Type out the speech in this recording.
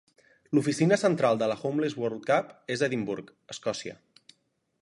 L'oficina central de la Homeless World Cup és a Edimburg, Escòcia.